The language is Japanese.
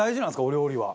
お料理は。